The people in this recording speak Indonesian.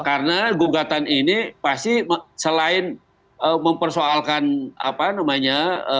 karena gugatan ini pasti selain mempersoalkan apa namanya